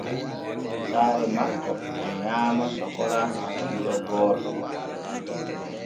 Saare makko e nyaama sokora e li’o gooto.